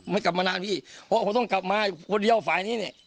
ไม่กลับมานานพี่เพราะผมต้องกลับมาคนเดียวฝ่ายนี้เนี่ย